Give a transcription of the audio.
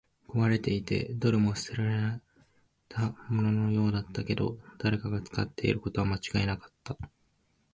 壊れていて、どれも捨てられたもののようだったけど、誰かが使っていることは間違いなかった